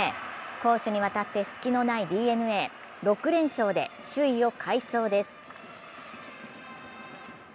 攻守にわたって隙のないＤｅＮＡ、６連勝で首位を快走です！